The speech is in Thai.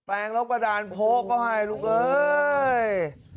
แปลงรบกระดานโผ๊ะเข้าให้ลูกเอ้ย